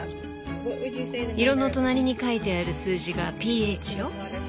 色の隣に書いてある数字がｐＨよ。